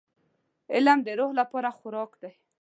• علم د روح لپاره خوراک دی.